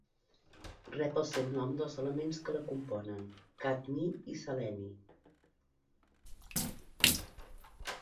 Rep el seu nom dels elements que la componen: cadmi i seleni.